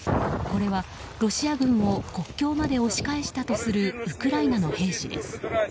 これはロシア軍を国境まで押し返したとするウクライナの兵士です。